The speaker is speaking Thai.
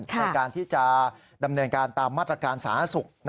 ในการที่จะดำเนินการตามมาตรการสาธารณสุข